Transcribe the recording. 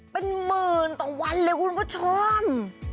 เป็นหมื่นต่อวันเลยคุณผู้ชม